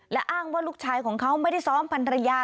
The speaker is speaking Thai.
และอ้างว่าลูกชายของเขาไม่ได้ซ้อมพันรยา